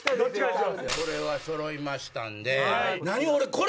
これは揃いましたんで。